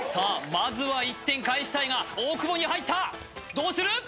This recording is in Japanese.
まずは１点返したいが大久保に入ったどうする？